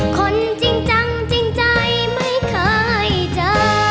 คนจริงจังจริงใจไม่เคยเจอ